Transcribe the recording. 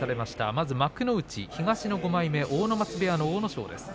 まず幕内、東の５枚目阿武松部屋の阿武咲です。